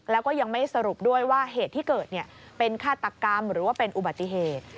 แล้วก็ยังไม่สรุปด้วยว่าเหตุที่เกิดเป็นฆาตกรรมหรือว่าเป็นอุบัติเหตุ